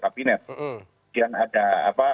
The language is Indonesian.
kabinet kemudian ada apa